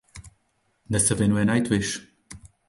Dnes se věnuje Nightwish.